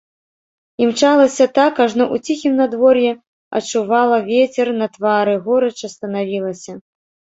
Імчалася так, ажно ў ціхім надвор'і адчувала вецер на твары, горача станавілася.